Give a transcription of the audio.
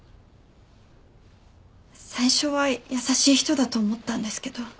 最初は優しい人だと思ったんですけど。